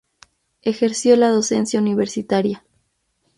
Ejerció la docencia universitaria.